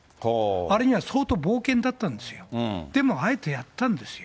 あれは相当冒険だったんですよ、でもあえてやったんですよ。